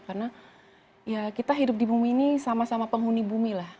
karena ya kita hidup di bumi ini sama sama penghuni bumi lah